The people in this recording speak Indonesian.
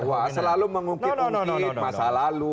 wah selalu mengungkit ungkit masa lalu